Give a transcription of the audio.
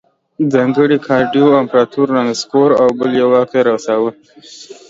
ځانګړي ګارډ یو امپرتور رانسکور او بل یې واک ته رساوه